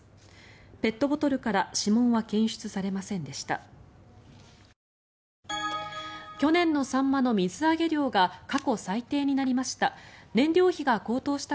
ペットボトルから指紋は検出されませんでした。